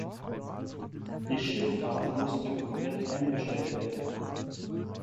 Die Schifffahrt musste komplett eingestellt werden.